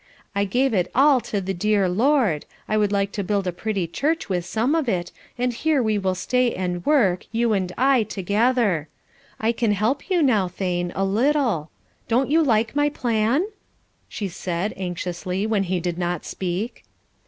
I gave it all to the dear Lord, I would like to build a pretty church with some of it, and here we will stay and work, you and I together. I can help you now, Thane a little. Don't you like my plan?" she said, anxiously, when he did not speak.